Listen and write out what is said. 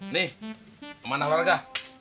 nih kemana warga